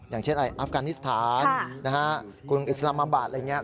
อย่างเช่นอะไรอัฟกานิสถานกรุงอิสลามบัตรอะไรอย่างนี้